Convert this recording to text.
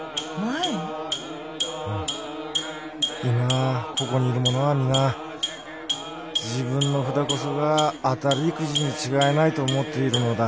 うん今ここにいる者は皆自分の札こそが当たりくじに違いないと思っているのだ。